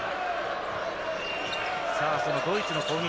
そのドイツの攻撃。